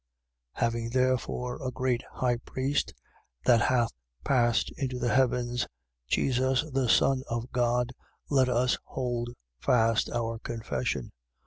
4:14. Having therefore a great high priest that hath passed into the heavens, Jesus the Son of God: let us hold fast our confession.